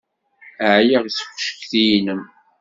Ɛyiɣ seg ucetki-inem.